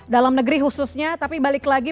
dalam negeri khususnya tapi balik lagi